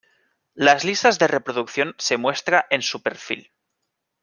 Las listas de reproducción se muestra en su perfil.